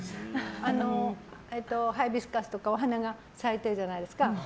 ハイビスカスとかお花が咲いてるじゃないですか。